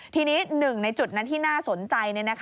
ทีนี้หนึ่งในจุดนั้นที่น่าสนใจ